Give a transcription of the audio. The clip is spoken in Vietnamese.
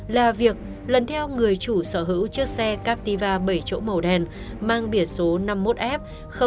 là việc lần theo người chủ sở hữu chiếc xe captiva bảy chỗ màu đen mang biển số năm mươi một f năm nghìn hai trăm năm mươi sáu